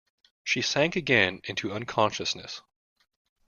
She sank again into unconsciousness.